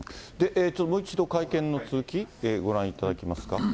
ちょっともう一度会見の続き、ご覧いただきますか。